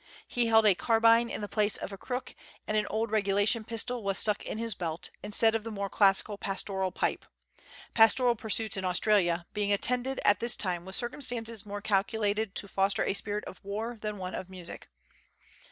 He held a carbine in the place of a crook, and an old regulation pistol was stuck in his belt, instead of the more classic pastoral pipe pastoral pursuits in Australia being attended, at this time, with circumstances more calculated to foster a spirit of war than one of music.